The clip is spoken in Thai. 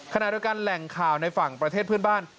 ขณะด้วยการแหล่งข่าวในฝั่งประเทศพื้นบ้าน